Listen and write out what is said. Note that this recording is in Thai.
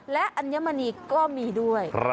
และอัญมณีก็มีด้วย